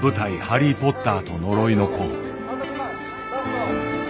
「ハリー・ポッターと呪いの子」。